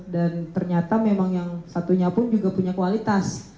dan ternyata memang yang satunya pun juga punya kualitas